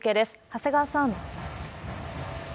長谷川さん。